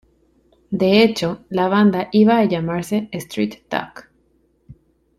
De hecho, la banda iba a llamarse Street Talk.